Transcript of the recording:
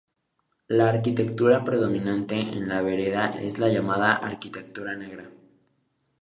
La arquitectura predominante en La Vereda es la llamada arquitectura negra.